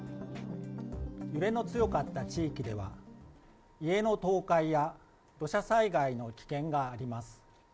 揺れの強かった地域では、家の倒壊や土砂災害の危険があります。